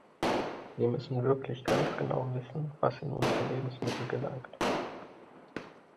Wir müssen wirklich ganz genau wissen, was in unsere Lebensmittel gelangt.